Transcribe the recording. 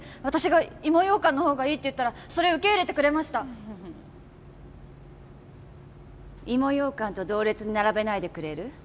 私が芋ようかんのほうがいいって言ったらそれ受け入れてくれました芋ようかんと同列に並べないでくれる？